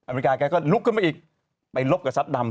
ริกาแกก็ลุกขึ้นมาอีกไปลบกับซัดดำ